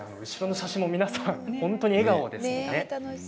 写真も皆さん本当に笑顔ですね。